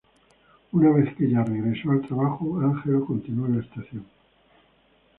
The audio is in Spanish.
Una vez que Jack regresó al trabajo, Angelo continuó en la estación.